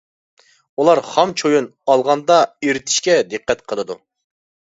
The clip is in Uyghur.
ئۇلار خام چويۇن ئالغاندا ئېرىتىشكە دىققەت قىلىدۇ.